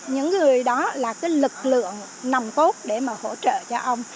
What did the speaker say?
những người đó là cái lực lượng nồng cốt để mà hỗ trợ cho ông